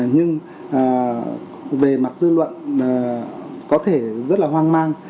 nhưng về mặt dư luận có thể rất là hoang mang